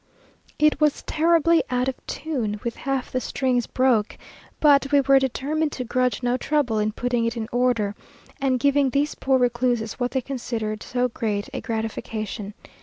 It was terribly out of tune, with half the strings broke; but we were determined to grudge no trouble in putting it in order, and giving these poor recluses what they considered so great a gratification.